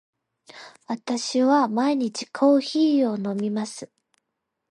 私は毎日コーヒーを飲みます。